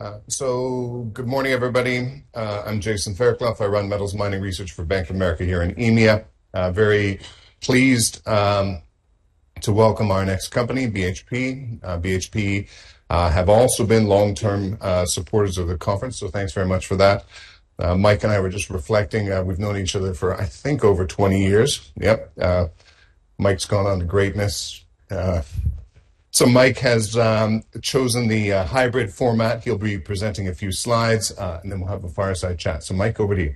Good morning, everybody. I'm Jason Fairclough. I run metals mining research for Bank of America here in EMEA. Very pleased to welcome our next company, BHP. BHP have also been long-term supporters of the conference, so thanks very much for that. Mike and I were just reflecting. We've known each other for, I think, over 20 years. Yep. Mike's gone on to greatness. Mike has chosen the hybrid format. He'll be presenting a few slides, and then we'll have a fireside chat. Mike, over to you.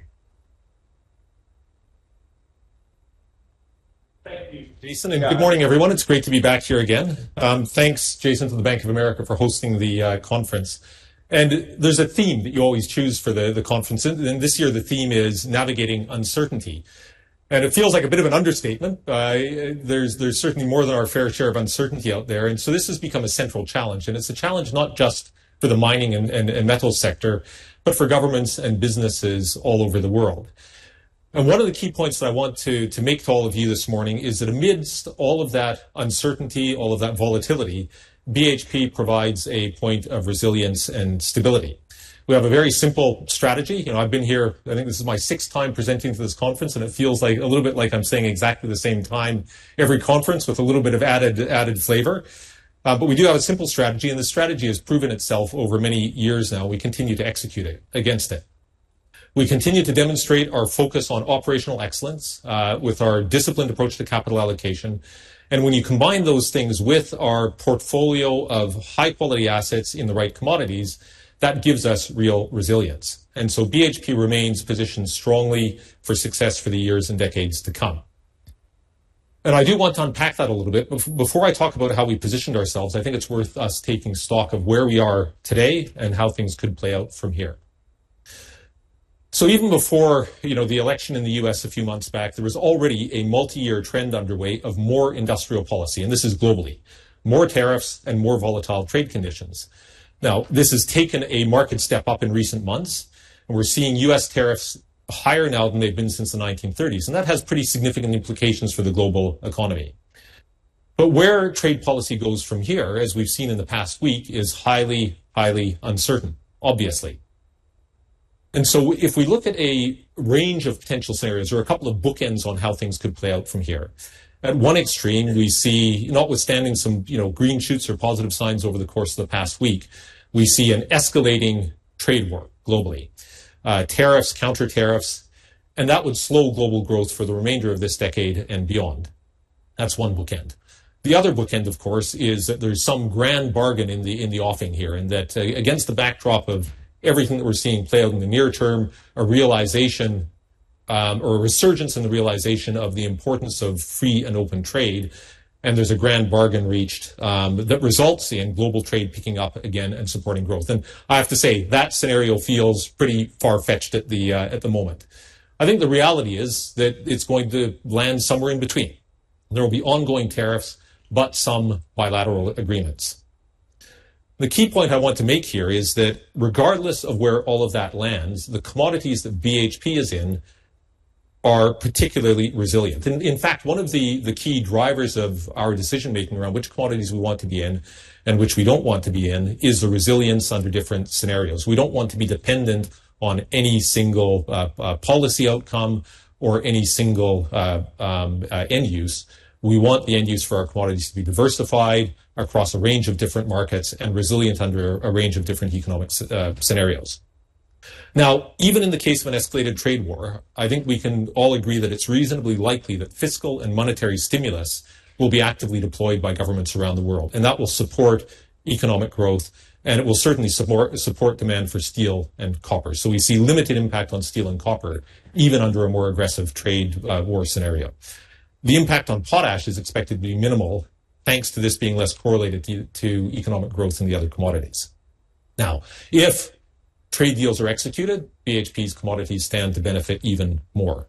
Thank you. Jason, and good morning, everyone. It is great to be back here again. Thanks, Jason, to the Bank of America for hosting the conference. There is a theme that you always choose for the conference. This year, the theme is navigating uncertainty. It feels like a bit of an understatement. There is certainly more than our fair share of uncertainty out there. This has become a central challenge. It is a challenge not just for the mining and metal sector, but for governments and businesses all over the world. One of the key points that I want to make to all of you this morning is that amidst all of that uncertainty, all of that volatility, BHP provides a point of resilience and stability. We have a very simple strategy. I've been here, I think this is my sixth time presenting to this conference, and it feels a little bit like I'm saying exactly the same thing every conference with a little bit of added flavor. We do have a simple strategy, and the strategy has proven itself over many years now. We continue to execute against it. We continue to demonstrate our focus on operational excellence with our disciplined approach to capital allocation. When you combine those things with our portfolio of high-quality assets in the right commodities, that gives us real resilience. BHP remains positioned strongly for success for the years and decades to come. I do want to unpack that a little bit. Before I talk about how we positioned ourselves, I think it's worth us taking stock of where we are today and how things could play out from here. Even before the election in the U.S. a few months back, there was already a multi-year trend underway of more industrial policy. This is globally, more tariffs and more volatile trade conditions. This has taken a marked step up in recent months, and we're seeing U.S. tariffs higher now than they've been since the 1930s. That has pretty significant implications for the global economy. Where trade policy goes from here, as we've seen in the past week, is highly, highly uncertain, obviously. If we look at a range of potential scenarios, there are a couple of bookends on how things could play out from here. At one extreme, we see, notwithstanding some green shoots or positive signs over the course of the past week, we see an escalating trade war globally, tariffs, counter tariffs, and that would slow global growth for the remainder of this decade and beyond. That is one bookend. The other bookend, of course, is that there is some grand bargain in the offing here and that against the backdrop of everything that we are seeing play out in the near term, a realization or a resurgence in the realization of the importance of free and open trade. There is a grand bargain reached that results in global trade picking up again and supporting growth. I have to say, that scenario feels pretty far-fetched at the moment. I think the reality is that it is going to land somewhere in between. There will be ongoing tariffs, but some bilateral agreements. The key point I want to make here is that regardless of where all of that lands, the commodities that BHP is in are particularly resilient. In fact, one of the key drivers of our decision-making around which commodities we want to be in and which we do not want to be in is the resilience under different scenarios. We do not want to be dependent on any single policy outcome or any single end use. We want the end use for our commodities to be diversified across a range of different markets and resilient under a range of different economic scenarios. Now, even in the case of an escalated trade war, I think we can all agree that it's reasonably likely that fiscal and monetary stimulus will be actively deployed by governments around the world, and that will support economic growth, and it will certainly support demand for steel and copper. We see limited impact on steel and copper, even under a more aggressive trade war scenario. The impact on potash is expected to be minimal, thanks to this being less correlated to economic growth in the other commodities. Now, if trade deals are executed, BHP's commodities stand to benefit even more.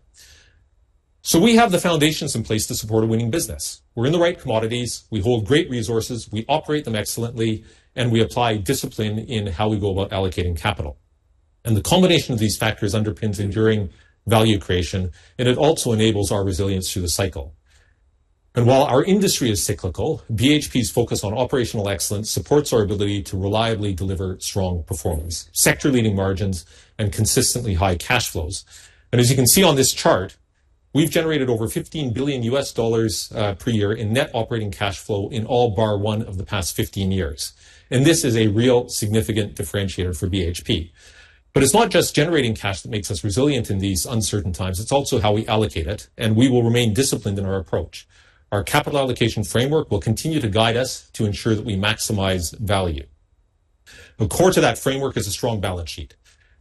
We have the foundations in place to support a winning business. We're in the right commodities. We hold great resources. We operate them excellently, and we apply discipline in how we go about allocating capital. The combination of these factors underpins enduring value creation, and it also enables our resilience through the cycle. While our industry is cyclical, BHP's focus on operational excellence supports our ability to reliably deliver strong performance, sector-leading margins, and consistently high cash flows. As you can see on this chart, we have generated over $15 billion per year in net operating cash flow in all bar one of the past 15 years. This is a real significant differentiator for BHP. It is not just generating cash that makes us resilient in these uncertain times. It is also how we allocate it, and we will remain disciplined in our approach. Our capital allocation framework will continue to guide us to ensure that we maximize value. According to that framework is a strong balance sheet.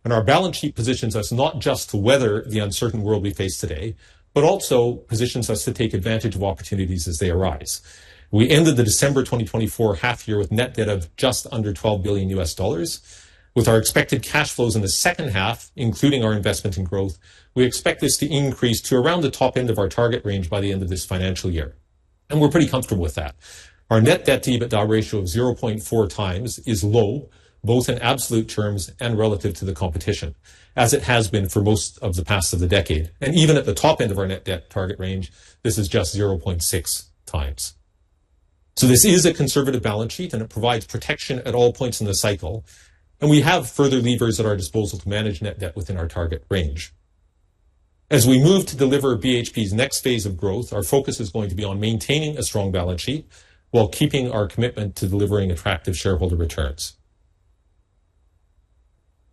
Our balance sheet positions us not just to weather the uncertain world we face today, but also positions us to take advantage of opportunities as they arise. We ended the December 2024 half year with net debt of just under $12 billion. With our expected cash flows in the second half, including our investment and growth, we expect this to increase to around the top end of our target range by the end of this financial year. We are pretty comfortable with that. Our net debt to EBITDA ratio of 0.4x is low, both in absolute terms and relative to the competition, as it has been for most of the past decade. Even at the top end of our net debt target range, this is just 0.6x. This is a conservative balance sheet, and it provides protection at all points in the cycle. We have further levers at our disposal to manage net debt within our target range. As we move to deliver BHP's next phase of growth, our focus is going to be on maintaining a strong balance sheet while keeping our commitment to delivering attractive shareholder returns.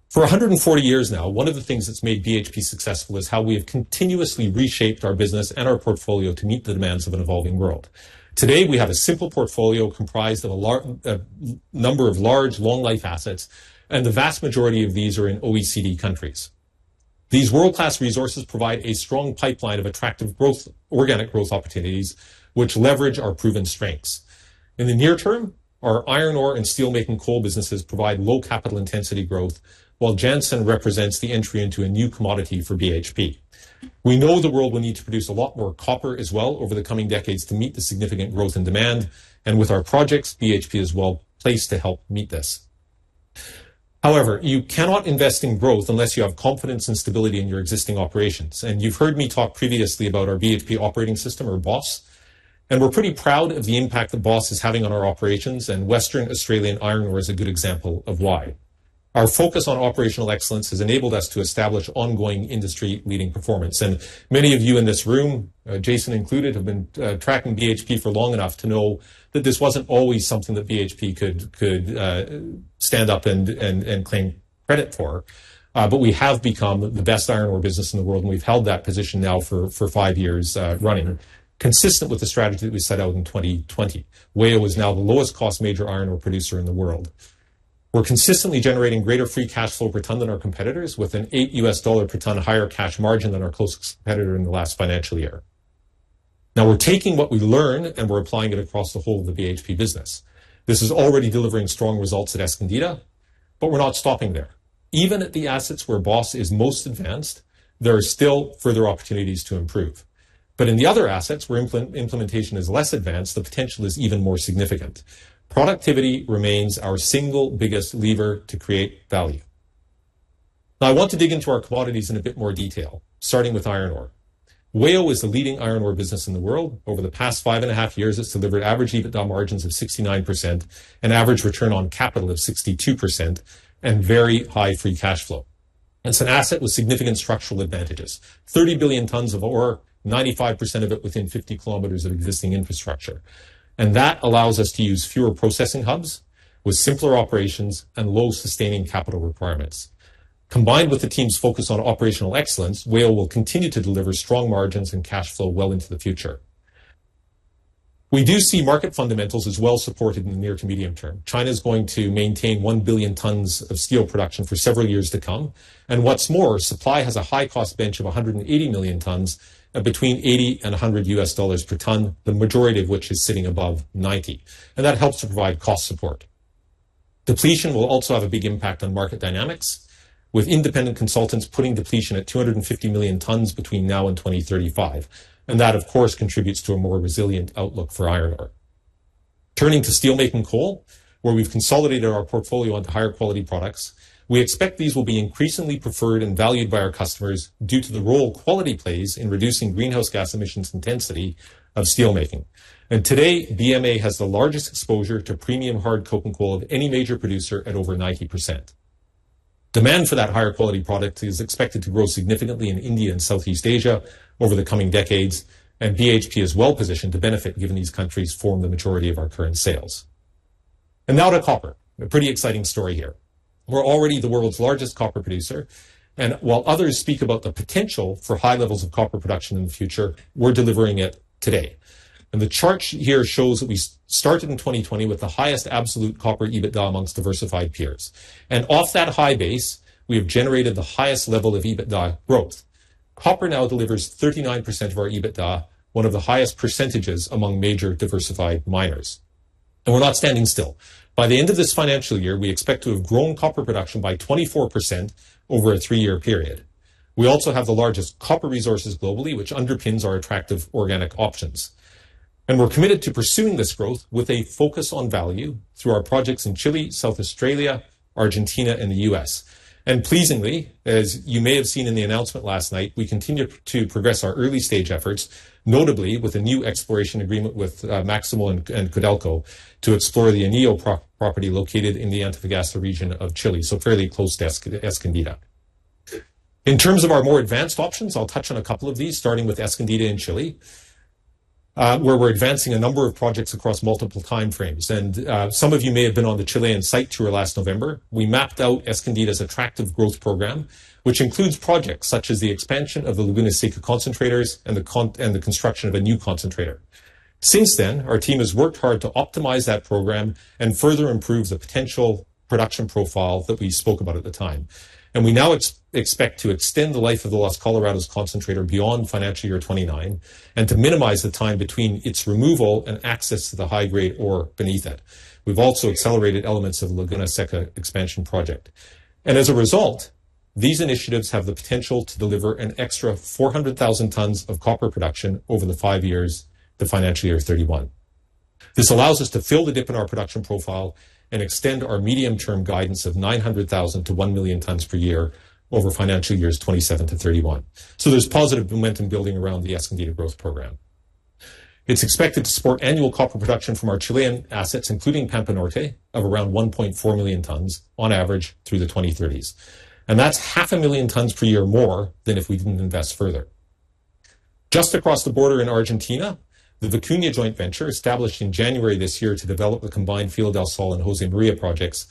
For 140 years now, one of the things that's made BHP successful is how we have continuously reshaped our business and our portfolio to meet the demands of an evolving world. Today, we have a simple portfolio comprised of a number of large, long-life assets, and the vast majority of these are in OECD countries. These world-class resources provide a strong pipeline of attractive organic growth opportunities, which leverage our proven strengths. In the near term, our iron ore and steelmaking coal businesses provide low capital intensity growth, while Jansen represents the entry into a new commodity for BHP. We know the world will need to produce a lot more copper as well over the coming decades to meet the significant growth in demand. With our projects, BHP is well placed to help meet this. However, you cannot invest in growth unless you have confidence and stability in your existing operations. You have heard me talk previously about our BHP Operating System, or BOS. We are pretty proud of the impact that BOS is having on our operations, and Western Australian iron ore is a good example of why. Our focus on operational excellence has enabled us to establish ongoing industry-leading performance. Many of you in this room, Jason included, have been tracking BHP for long enough to know that this was not always something that BHP could stand up and claim credit for. We have become the best iron ore business in the world, and we have held that position now for five years running, consistent with the strategy that we set out in 2020. Whale is now the lowest-cost major iron ore producer in the world. We are consistently generating greater free cash flow per ton than our competitors, with an $8 per ton higher cash margin than our closest competitor in the last financial year. Now we are taking what we have learned, and we are applying it across the whole of the BHP business. This is already delivering strong results at Escondida, but we are not stopping there. Even at the assets where BOS is most advanced, there are still further opportunities to improve. In the other assets, where implementation is less advanced, the potential is even more significant. Productivity remains our single biggest lever to create value. Now I want to dig into our commodities in a bit more detail, starting with iron ore. Whale is the leading iron ore business in the world. Over the past five and a half years, it has delivered average EBITDA margins of 69%, an average return on capital of 62%, and very high free cash flow. It is an asset with significant structural advantages: 30 billion tons of ore, 95% of it within 50 km of existing infrastructure. That allows us to use fewer processing hubs with simpler operations and low sustaining capital requirements. Combined with the team's focus on operational excellence, Whale will continue to deliver strong margins and cash flow well into the future. We do see market fundamentals as well supported in the near to medium term. China is going to maintain 1 billion tons of steel production for several years to come. What is more, supply has a high-cost bench of 180 million tons at between $80 and $100 per ton, the majority of which is sitting above $90. That helps to provide cost support. Depletion will also have a big impact on market dynamics, with independent consultants putting depletion at 250 million tons between now and 2035. That, of course, contributes to a more resilient outlook for iron ore. Turning to steelmaking coal, where we've consolidated our portfolio onto higher quality products, we expect these will be increasingly preferred and valued by our customers due to the role quality plays in reducing greenhouse gas emissions intensity of steelmaking. Today, BMA has the largest exposure to premium hard coking coal of any major producer at over 90%. Demand for that higher quality product is expected to grow significantly in India and Southeast Asia over the coming decades, and BHP is well positioned to benefit given these countries form the majority of our current sales. Now to copper, a pretty exciting story here. We're already the world's largest copper producer. While others speak about the potential for high levels of copper production in the future, we're delivering it today. The chart here shows that we started in 2020 with the highest absolute copper EBITDA amongst diversified peers. Off that high base, we have generated the highest level of EBITDA growth. Copper now delivers 39% of our EBITDA, one of the highest percentages among major diversified miners. We are not standing still. By the end of this financial year, we expect to have grown copper production by 24% over a three-year period. We also have the largest copper resources globally, which underpins our attractive organic options. We are committed to pursuing this growth with a focus on value through our projects in Chile, South Australia, Argentina, and the U.S. Pleasingly, as you may have seen in the announcement last night, we continue to progress our early stage efforts, notably with a new exploration agreement with Máximo and Codelco to explore the Anillo property located in the Antofagasta region of Chile, so fairly close to Escondida. In terms of our more advanced options, I'll touch on a couple of these, starting with Escondida in Chile, where we're advancing a number of projects across multiple time frames. Some of you may have been on the Chilean site tour last November. We mapped out Escondida's attractive growth program, which includes projects such as the expansion of the Laguna Seca concentrators and the construction of a new concentrator. Since then, our team has worked hard to optimize that program and further improve the potential production profile that we spoke about at the time. We now expect to extend the life of the Los Colorados concentrator beyond financial year 2029 and to minimize the time between its removal and access to the high-grade ore beneath it. We have also accelerated elements of the Laguna Seca expansion project. As a result, these initiatives have the potential to deliver an extra 400,000 tons of copper production over the five years to financial year 2031. This allows us to fill the dip in our production profile and extend our medium-term guidance of 900,000 tons-1 million tons per year over financial years 2027-2031. There is positive momentum building around the Escondida growth program. It is expected to support annual copper production from our Chilean assets, including Pampa Norte, of around 1.4 million tons on average through the 2030s. That is 500,000 tons per year more than if we did not invest further. Just across the border in Argentina, the Vicuña Joint Venture, established in January this year to develop the combined Filo del Sol and Josemaria projects,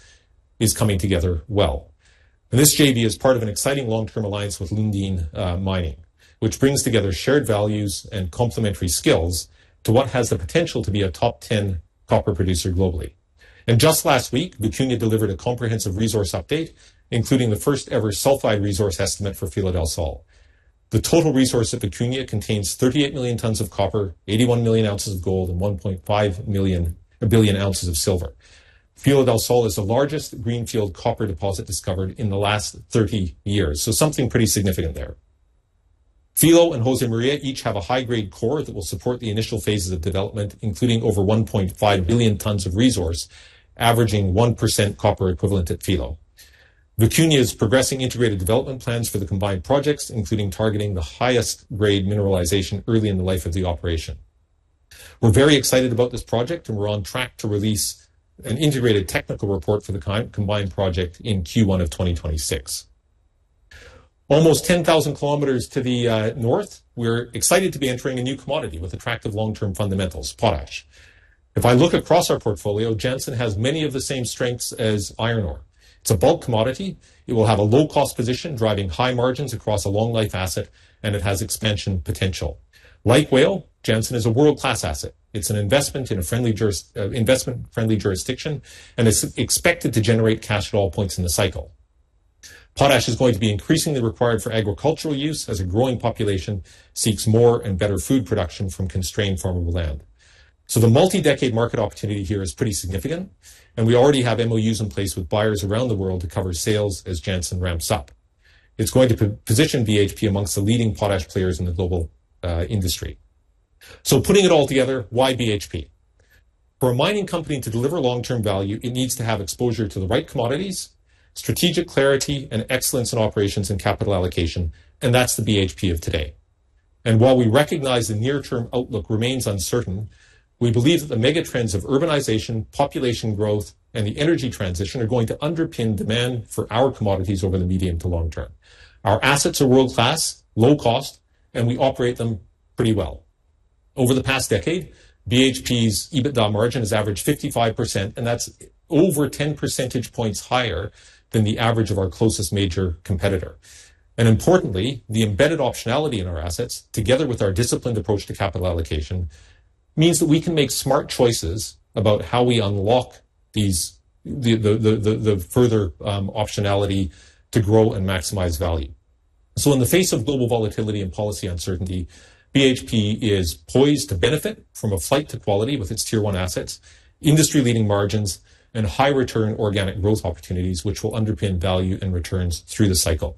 is coming together well. This JV is part of an exciting long-term alliance with Lundin Mining, which brings together shared values and complementary skills to what has the potential to be a top 10 copper producer globally. Just last week, Vicuña delivered a comprehensive resource update, including the first-ever sulfide resource estimate for Filo del Sol. The total resource at Vicuña contains 38 million tons of copper, 81 million ounces of gold, and 1.5 billion ounces of silver. Filo del Sol is the largest greenfield copper deposit discovered in the last 30 years, so something pretty significant there. Filo and Josemaria each have a high-grade core that will support the initial phases of development, including over 1.5 billion tons of resource, averaging 1% copper equivalent at Filo. Vicuña is progressing integrated development plans for the combined projects, including targeting the highest-grade mineralization early in the life of the operation. We're very excited about this project, and we're on track to release an integrated technical report for the combined project in Q1 of 2026. Almost 10,000 km to the north, we're excited to be entering a new commodity with attractive long-term fundamentals, potash. If I look across our portfolio, Jansen has many of the same strengths as iron ore. It's a bulk commodity. It will have a low-cost position driving high margins across a long-life asset, and it has expansion potential. Like Whale, Jansen is a world-class asset. It's an investment in a friendly jurisdiction and is expected to generate cash at all points in the cycle. Potash is going to be increasingly required for agricultural use as a growing population seeks more and better food production from constrained farmable land. The multi-decade market opportunity here is pretty significant, and we already have MOUs in place with buyers around the world to cover sales as Jansen ramps up. It's going to position BHP amongst the leading potash players in the global industry. Putting it all together, why BHP? For a mining company to deliver long-term value, it needs to have exposure to the right commodities, strategic clarity, and excellence in operations and capital allocation, and that's the BHP of today. While we recognize the near-term outlook remains uncertain, we believe that the megatrends of urbanization, population growth, and the energy transition are going to underpin demand for our commodities over the medium to long term. Our assets are world-class, low-cost, and we operate them pretty well. Over the past decade, BHP's EBITDA margin has averaged 55%, and that's over 10 percentage points higher than the average of our closest major competitor. Importantly, the embedded optionality in our assets, together with our disciplined approach to capital allocation, means that we can make smart choices about how we unlock the further optionality to grow and maximize value. In the face of global volatility and policy uncertainty, BHP is poised to benefit from a flight to quality with its tier 1 assets, industry-leading margins, and high-return organic growth opportunities, which will underpin value and returns through the cycle.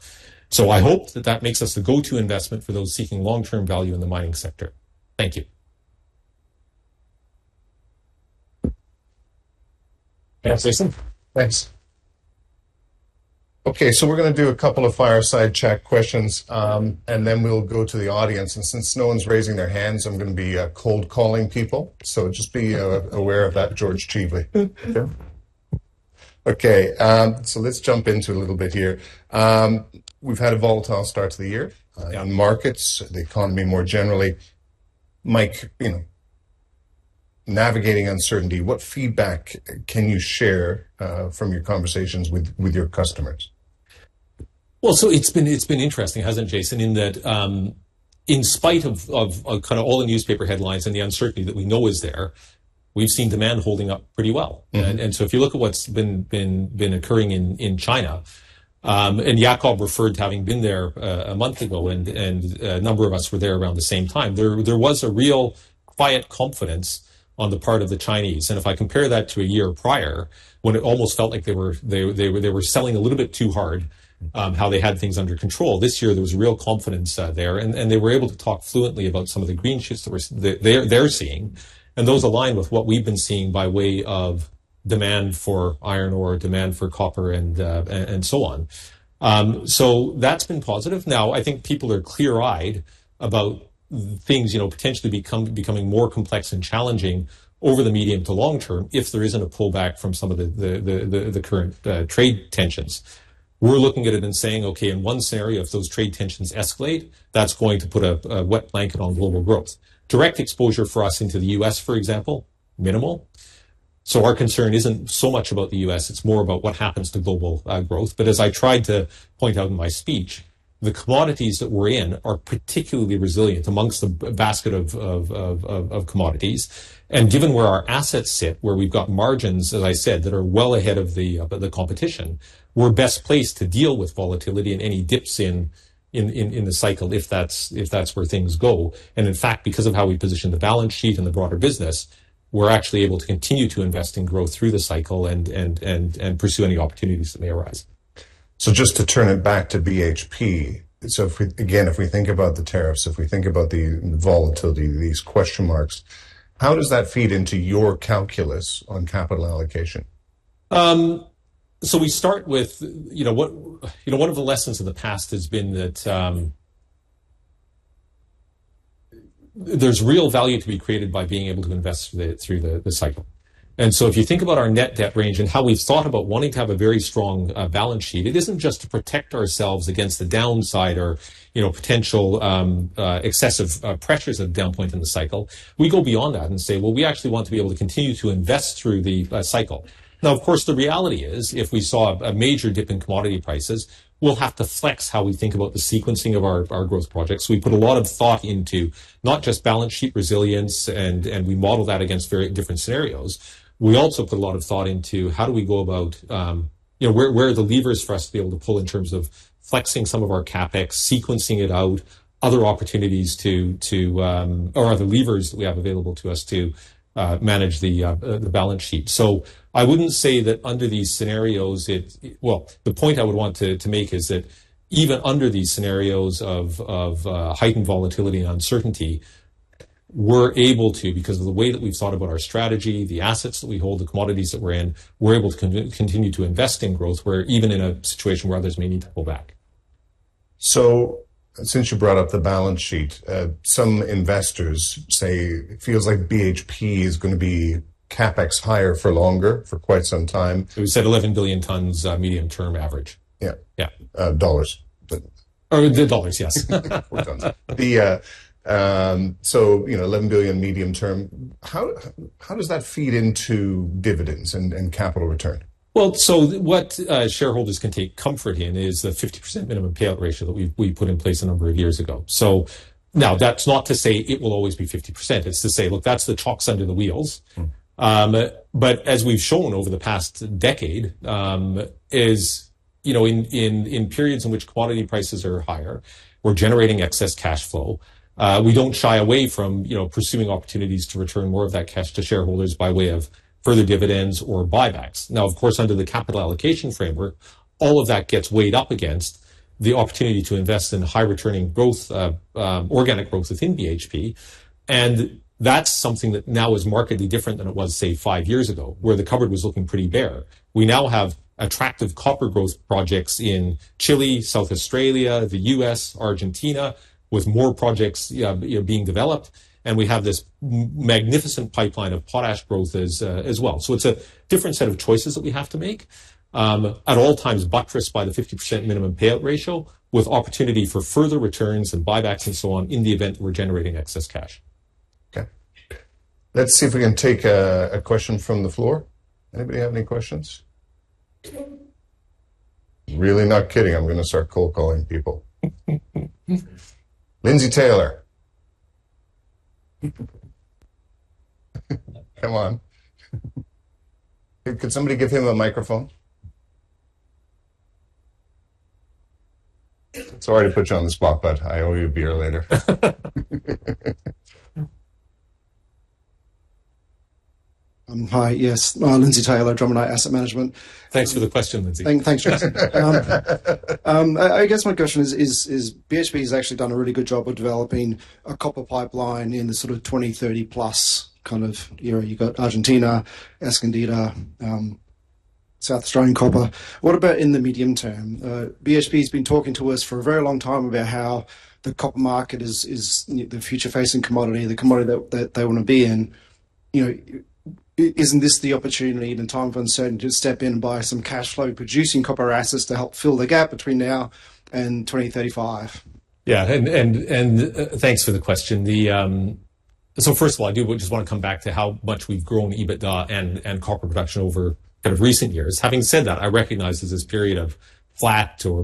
I hope that that makes us the go-to investment for those seeking long-term value in the mining sector. Thank you. Thanks, Jason. Thanks. Okay, we're going to do a couple of fireside chat questions, and then we'll go to the audience. Since no one's raising their hands, I'm going to be cold-calling people. Just be aware of that, George Chiefley. Okay, let's jump into a little bit here. We've had a volatile start to the year on markets, the economy more generally. Mike, navigating uncertainty, what feedback can you share from your conversations with your customers? It's been interesting, hasn't it, Jason? In that in spite of kind of all the newspaper headlines and the uncertainty that we know is there, we've seen demand holding up pretty well. If you look at what's been occurring in China, and Yakov referred to having been there a month ago, and a number of us were there around the same time, there was a real quiet confidence on the part of the Chinese. If I compare that to a year prior, when it almost felt like they were selling a little bit too hard, how they had things under control, this year, there was real confidence there. They were able to talk fluently about some of the green shifts that they're seeing. Those align with what we've been seeing by way of demand for iron ore, demand for copper, and so on. That's been positive. Now, I think people are clear-eyed about things potentially becoming more complex and challenging over the medium to long term if there is not a pullback from some of the current trade tensions. We are looking at it and saying, okay, in one scenario, if those trade tensions escalate, that is going to put a wet blanket on global growth. Direct exposure for us into the U.S., for example, minimal. Our concern is not so much about the U.S., it is more about what happens to global growth. As I tried to point out in my speech, the commodities that we are in are particularly resilient amongst the basket of commodities. Given where our assets sit, where we have got margins, as I said, that are well ahead of the competition, we are best placed to deal with volatility and any dips in the cycle if that is where things go. In fact, because of how we position the balance sheet and the broader business, we're actually able to continue to invest in growth through the cycle and pursue any opportunities that may arise. Just to turn it back to BHP, again, if we think about the tariffs, if we think about the volatility, these question marks, how does that feed into your calculus on capital allocation? We start with one of the lessons of the past has been that there's real value to be created by being able to invest through the cycle. If you think about our net debt range and how we've thought about wanting to have a very strong balance sheet, it isn't just to protect ourselves against the downside or potential excessive pressures at the downpoint in the cycle. We go beyond that and say, we actually want to be able to continue to invest through the cycle. Now, of course, the reality is, if we saw a major dip in commodity prices, we'll have to flex how we think about the sequencing of our growth projects. We put a lot of thought into not just balance sheet resilience, and we model that against different scenarios. We also put a lot of thought into how do we go about where are the levers for us to be able to pull in terms of flexing some of our CapEx, sequencing it out, other opportunities to, or other levers that we have available to us to manage the balance sheet. I wouldn't say that under these scenarios, well, the point I would want to make is that even under these scenarios of heightened volatility and uncertainty, we're able to, because of the way that we've thought about our strategy, the assets that we hold, the commodities that we're in, we're able to continue to invest in growth, where even in a situation where others may need to pull back. Since you brought up the balance sheet, some investors say it feels like BHP is going to be CapEx higher for longer, for quite some time. We said $11 billion medium-term average. Yeah. Dollars. Or the dollars, yes. So $11 billion medium-term, how does that feed into dividends and capital return? What shareholders can take comfort in is the 50% minimum payout ratio that we put in place a number of years ago. Now, that's not to say it will always be 50%. It's to say, look, that's the chalks under the wheels. But as we've shown over the past decade, in periods in which commodity prices are higher, we're generating excess cash flow. We don't shy away from pursuing opportunities to return more of that cash to shareholders by way of further dividends or buybacks. Of course, under the capital allocation framework, all of that gets weighed up against the opportunity to invest in high-returning organic growth within BHP. That's something that now is markedly different than it was, say, five years ago, where the cupboard was looking pretty bare. We now have attractive copper growth projects in Chile, South Australia, the U.S, Argentina, with more projects being developed. We have this magnificent pipeline of potash growth as well. It is a different set of choices that we have to make. At all times, buttressed by the 50% minimum payout ratio, with opportunity for further returns and buybacks and so on in the event we are generating excess cash. Okay. Let's see if we can take a question from the floor. Anybody have any questions? Really not kidding. I am going to start cold-calling people. Lindsay Taylor. Come on. Could somebody give him a microphone? Sorry to put you on the spot, but I owe you a beer later. Hi, yes. Lindsay Taylor, Drummond Asset Management. Thanks for the question, Lindsay. Thanks for asking. I guess my question is, BHP has actually done a really good job of developing a copper pipeline in the sort of 2030 plus kind of era. You have got Argentina, Escondida, South Australian copper. What about in the medium term? BHP has been talking to us for a very long time about how the copper market is the future-facing commodity, the commodity that they want to be in. Is this not the opportunity and time for uncertainty to step in and buy some cash flow-producing copper assets to help fill the gap between now and 2035? Yeah, and thanks for the question. First of all, I do just want to come back to how much we have grown EBITDA and copper production over recent years. Having said that, I recognize there is this period of flat or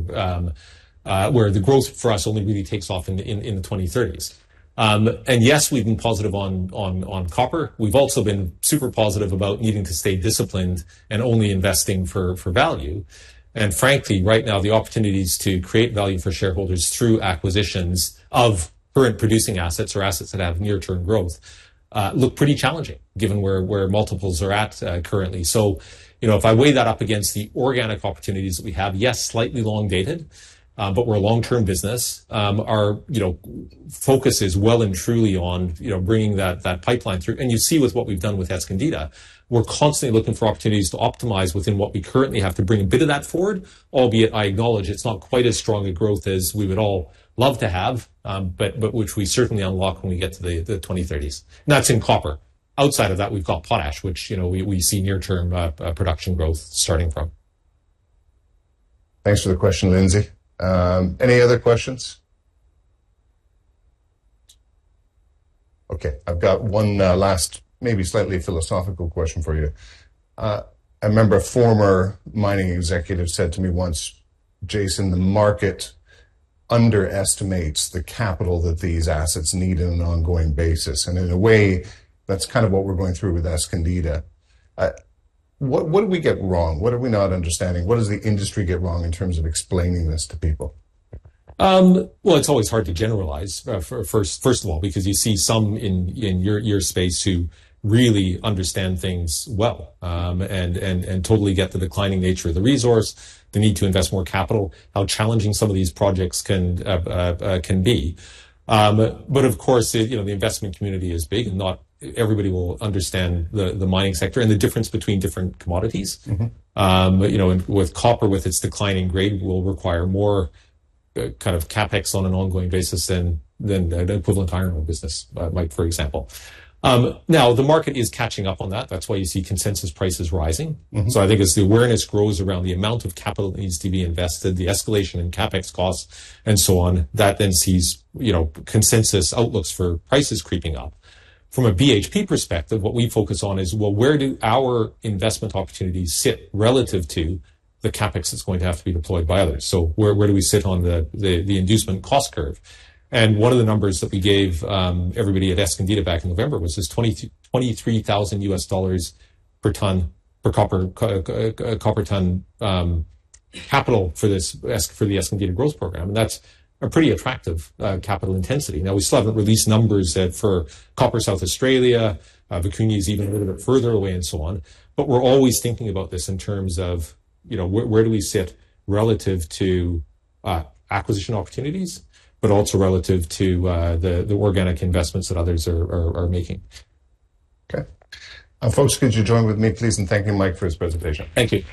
where the growth for us only really takes off in the 2030s. Yes, we have been positive on copper. We have also been super positive about needing to stay disciplined and only investing for value. Frankly, right now, the opportunities to create value for shareholders through acquisitions of current producing assets or assets that have near-term growth look pretty challenging given where multiples are at currently. If I weigh that up against the organic opportunities that we have, yes, slightly long-dated, but we are a long-term business. Our focus is well and truly on bringing that pipeline through. You see with what we have done with Escondida, we are constantly looking for opportunities to optimize within what we currently have to bring a bit of that forward, albeit I acknowledge it is not quite as strong a growth as we would all love to have, but which we certainly unlock when we get to the 2030s. That is in copper. Outside of that, we have got potash, which we see near-term production growth starting from. Thanks for the question, Lindsay. Any other questions? Okay, I've got one last, maybe slightly philosophical question for you. A member of former mining executive said to me once, "Jason, the market underestimates the capital that these assets need on an ongoing basis." In a way, that's kind of what we're going through with Escondida. What do we get wrong? What are we not understanding? What does the industry get wrong in terms of explaining this to people? It's always hard to generalize, first of all, because you see some in your space who really understand things well and totally get the declining nature of the resource, the need to invest more capital, how challenging some of these projects can be. Of course, the investment community is big and not everybody will understand the mining sector and the difference between different commodities. With copper, with its declining grade, will require more kind of CapEx on an ongoing basis than the equivalent iron ore business, Mike, for example. Now, the market is catching up on that. That's why you see consensus prices rising. I think as the awareness grows around the amount of capital that needs to be invested, the escalation in CapEx costs, and so on, that then sees consensus outlooks for prices creeping up. From a BHP perspective, what we focus on is, where do our investment opportunities sit relative to the CapEx that's going to have to be deployed by others? Where do we sit on the inducement cost curve? One of the numbers that we gave everybody at Escondida back in November was this $23,000 per ton per copper ton capital for the Escondida growth program. That's a pretty attractive capital intensity. Now, we still haven't released numbers that for copper South Australia, Vicuña is even a little bit further away and so on. We are always thinking about this in terms of where do we sit relative to acquisition opportunities, but also relative to the organic investments that others are making. Okay. Folks, could you join with me, please, and thank you, Mike, for his presentation? Thank you.